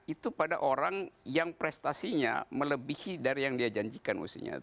itu pada orang yang prestasinya melebihi dari yang dia janjikan